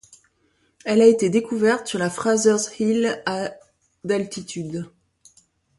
Elle a été découverte sur la Fraser's Hill à d'altitude.